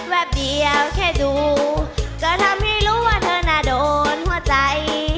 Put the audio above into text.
แป๊บเดียวแค่ดูก็ทำให้รู้ว่าเธอน่ะโดนหัวใจ